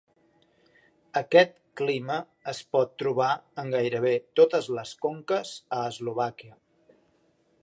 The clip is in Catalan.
Aquest clima es pot trobar en gairebé totes les conques a Eslovàquia.